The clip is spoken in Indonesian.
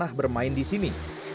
pernah bermain di sini